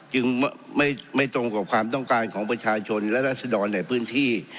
จึงไม่ตรงกับความต้องการของประชาชนและรัศดรในพื้นที่